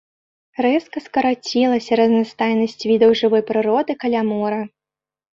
Рэзка скарацілася разнастайнасць відаў жывой прыроды каля мора.